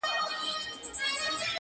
دا ستا شعرونه مي د زړه آواز دى _